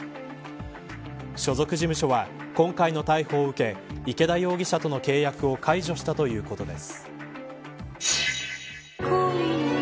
所属事務所は、今回の逮捕を受け池田容疑者との契約を解除したということです。